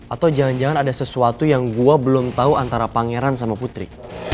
atau jangan jangan ada sesuatu yang gue belum tahu antara pangeran sama putri